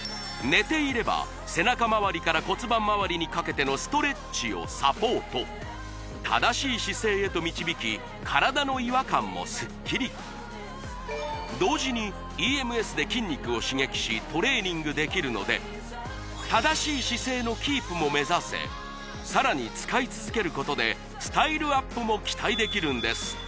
寝ていれば背中まわりから骨盤まわりにかけてのストレッチをサポート正しい姿勢へと導き体の違和感もスッキリ同時にＥＭＳで筋肉を刺激しトレーニングできるので正しい姿勢のキープも目指せさらに使い続けることでスタイルアップも期待できるんです